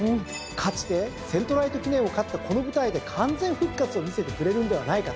かつてセントライト記念を勝ったこの舞台で完全復活を見せてくれるんではないかと。